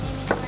ini tuh coklat